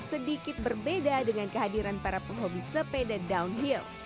sedikit berbeda dengan kehadiran para penghobi sepeda downhill